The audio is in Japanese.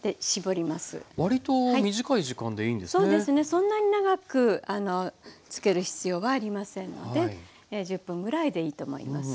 そんなに長くつける必要はありませんので１０分ぐらいでいいと思います。